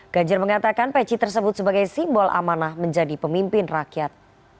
ganjar mengatakan peci tersebut sebagai simbol amanah menjadi pemimpin rakyat